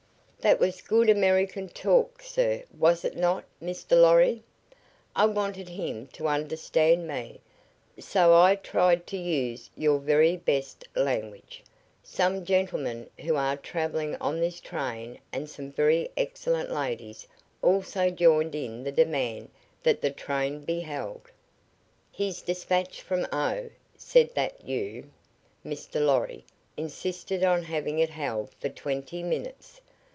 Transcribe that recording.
"That was good American talk, sir, was it not, Mr. Lorry? I wanted him to understand me, so I tried to use your very best language. Some gentlemen who are traveling on this train and some very excellent ladies also joined in the demand that the train be held. His despatch from O said that you, Mr. Lorry, insisted on having it held for twenty minutes.